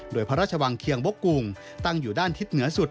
โดยพระราชวังเคียงบกกรุงตั้งอยู่ด้านทิศเหนือสุด